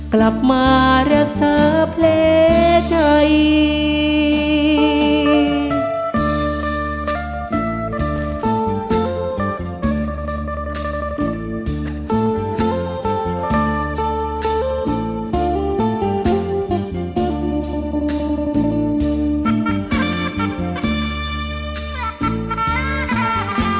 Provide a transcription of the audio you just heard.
กลับมารักษาแผลใจ